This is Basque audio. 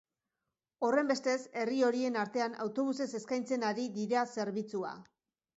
Horrenbestez, herri horien artean autobusez eskaintzen ari dira zerbitzua.